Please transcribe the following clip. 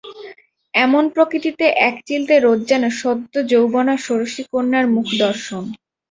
এমন প্রকৃতিতে একচিলতে রোদ যেন সদ্য যৌবনা ষোড়শী কন্যার মুখ দর্শন।